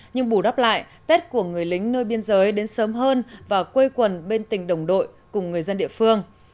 nhưng bù đắp lại tết của người lính nơi biên giới đến sớm hơn và quây quần bên tình đồng đội cùng người dân địa phương